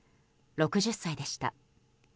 ６０歳でした。